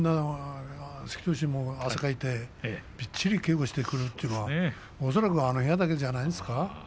汗かいてみっちり稽古してくるというのは恐らくあの部屋だけじゃないですか。